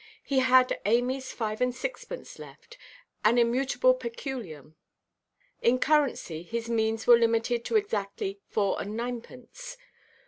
He had Amyʼs five and sixpence left, an immutable peculium. In currency his means were limited to exactly four and ninepence.